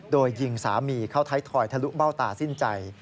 โดยยิงสามีเข้าไทยทอยทะลุเบ้าตาสิ้นใจ